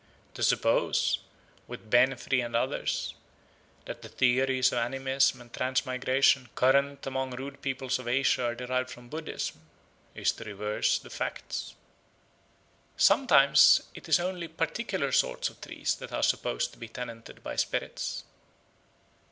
To suppose, with Benfey and others, that the theories of animism and transmigration current among rude peoples of Asia are derived from Buddhism, is to reverse the facts. Sometimes it is only particular sorts of trees that are supposed to be tenanted by spirits.